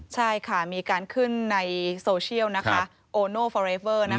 ใช่ค่ะมีการขึ้นในโซเชียลโอโนฟอเรเวอร์